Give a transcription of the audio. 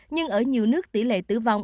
nhưng ở nhiều nước tỷ lệ tử vong